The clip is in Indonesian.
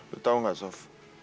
lo tau gak sof